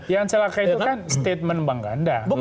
yang celaka itu kan statement bang ganda